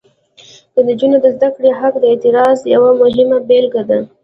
د نجونو د زده کړې حق د اعتراض یوه مهمه بیلګه ده.